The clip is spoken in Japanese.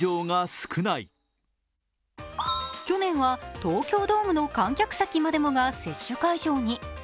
去年は東京ドームの観客席までもが接種会場に。